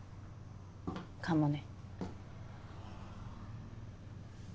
かもね。